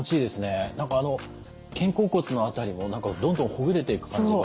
何かあの肩甲骨の辺りも何かどんどんほぐれていく感じが。